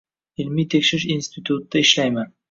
Ilmiy-tekshirish institutida ishlayman.